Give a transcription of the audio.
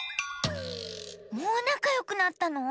もうなかよくなったの？